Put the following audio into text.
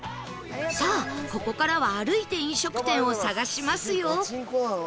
さあここからは歩いて飲食店を探しますよ